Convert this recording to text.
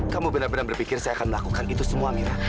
kamu benar benar berpikir saya akan melakukan itu semua mina